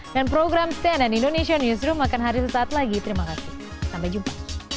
dan program cnn indonesia newsroom akan hari sesaat lagi terima kasih sampai jumpa